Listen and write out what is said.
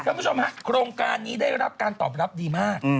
คุณผู้ชมฮะโครงการนี้ได้รับการตอบรับดีมาก